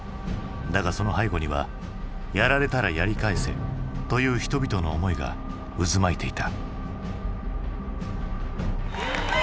だがその背後にはやられたらやり返せという人々の思いが渦巻いていた。